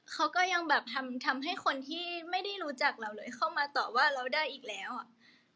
เขาก็ยังแบบทำให้คนที่ไม่ได้รู้จักเราเลยเข้ามาต่อว่าเราได้อีกแล้วอ่ะ